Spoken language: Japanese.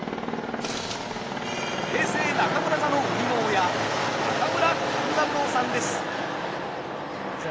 平成中村座の生みの親中村勘三郎さんです。